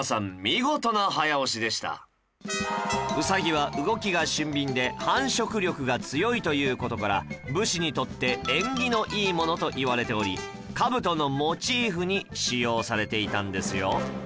うさぎは動きが俊敏で繁殖力が強いという事から武士にとって縁起のいいものといわれており兜のモチーフに使用されていたんですよ